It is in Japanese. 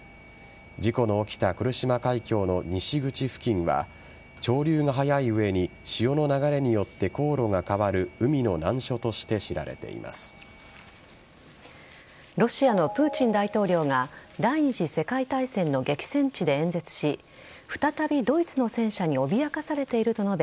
事故の起きた来島海峡の西口付近は潮流が速い上に潮の流れによって航路が変わるロシアのプーチン大統領が第２次世界大戦の激戦地で演説し再びドイツの戦車に脅かされていると述べ